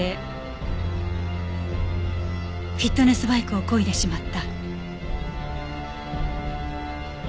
フィットネスバイクをこいでしまった。